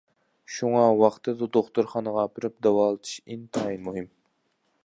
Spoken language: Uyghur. شۇڭا ۋاقتىدا دوختۇرخانىغا ئاپىرىپ داۋالىتىش ئىنتايىن مۇھىم.